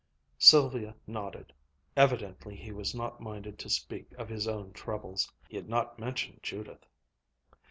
Sylvia nodded. Evidently he was not minded to speak of his own troubles. He had not mentioned Judith.